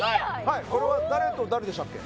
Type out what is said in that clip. はいこれは誰と誰でしたっけ